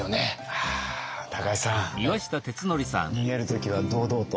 ああ高井さん逃げる時は堂々と。